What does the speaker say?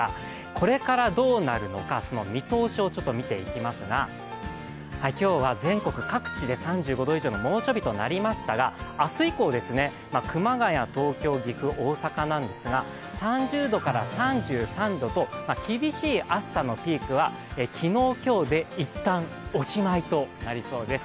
これからどうなるのか、その見通しを見ていきますが、今日は全国各地で３５度以上の猛暑日となりましたが、明日以降、熊谷、東京岐阜、大阪なんですが、３０度から３３度と厳しい暑さのピークは昨日、今日で一旦おしまいとなりそうです。